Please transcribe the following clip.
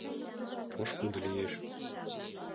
Пошкудо лиеш.